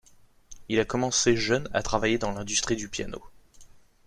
Il a commencé jeune à travailler dans l'industrie du piano.